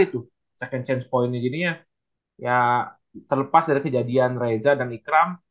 itu second change pointnya gini ya terlepas dari kejadian reza dan ikram